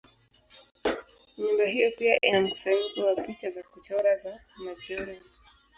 Nyumba hiyo pia ina mkusanyiko wa picha za kuchora za Majorelle.